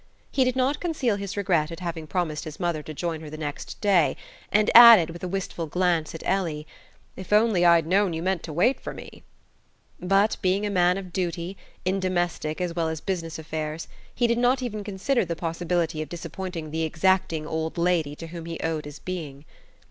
He did not conceal his regret at having promised his mother to join her the next day; and added, with a wistful glance at Ellie: "If only I'd known you meant to wait for me!" But being a man of duty, in domestic as well as business affairs, he did not even consider the possibility of disappointing the exacting old lady to whom he owed his being.